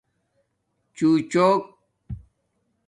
چݸچݸک